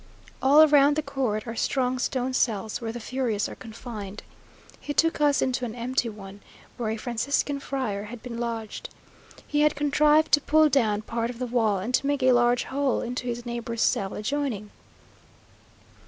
All round the court are strong stone cells, where the furious are confined. He took us into an empty one, where a Franciscan friar had been lodged. He had contrived to pull down part of the wall, and to make a large hole into his neighbour's cell adjoining.